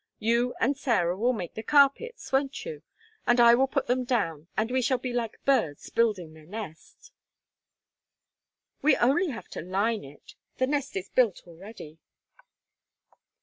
You and Sarah will make the carpets; won't you? And I will put them down, and we shall be like birds building their nest." "We have only to line it; the nest is built already."